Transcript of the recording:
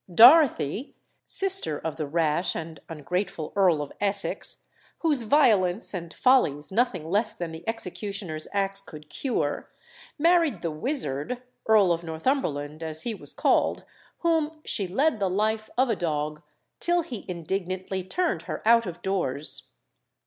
Dorothy, sister of the rash and ungrateful Earl of Essex, whose violence and follies nothing less than the executioner's axe could cure, married the "wizard" Earl of Northumberland, as he was called, whom "she led the life of a dog, till he indignantly turned her out of doors."